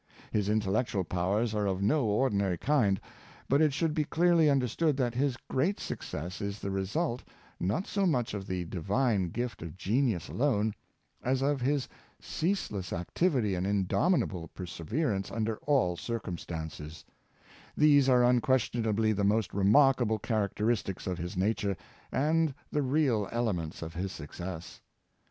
His in tellectual powers are of no ordinary kind, but it should be clearly understood that his great success is the re sult, not so much of the divine gift of genius alone, as of his ceaseless activity and indomitable perseverance under all circumstances; these are unquestionably the most remarkable characteristics of his nature and the real elements of his success.